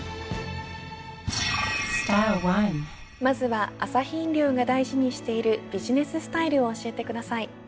まずはアサヒ飲料が大事にしているビジネススタイルを教えてください。